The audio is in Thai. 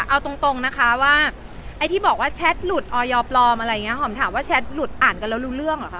เอาตรงนะคะว่าไอ้ที่บอกว่าแชทหลุดออยปลอมอะไรอย่างเงี้หอมถามว่าแชทหลุดอ่านกันแล้วรู้เรื่องเหรอคะ